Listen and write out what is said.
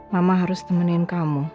mama harus temenin kamu